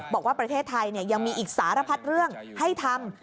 บอกว่าประเทศไทยยังมีอีกสารพัดเรื่องให้ทำ